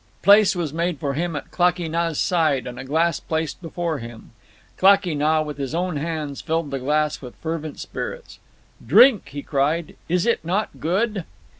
Place was made for him at Klakee Nah's side, and a glass placed before him. Klakee Nah, with his own hands, filled the glass with fervent spirits. "Drink!" he cried. "Is it not good?"